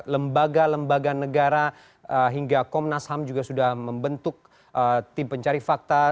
lembaga lembaga negara hingga komnas ham juga sudah membentuk tim pencari fakta